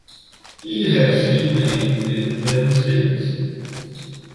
He has remained with them since.